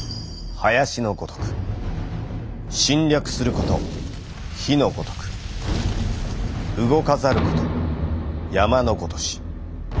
林のごとく侵掠すること火のごとく動かざること山のごとし。